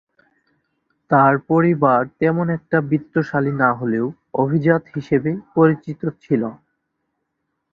তার পরিবার তেমন একটা বিত্তশালী না হলেও অভিজাত হিসেবে পরিচিত ছিল।